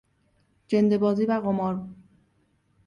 جندهبازی و قمار